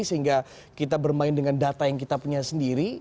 sehingga kita bermain dengan data yang kita punya sendiri